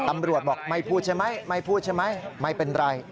ตำรวจบอกไม่พูดใช่ไหมไม่พูดใช่ไหมไม่เป็นไร